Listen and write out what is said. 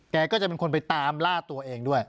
แกก็จะเป็นคนไปตามล่าตัวเองด้วย